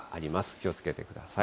気をつけてください。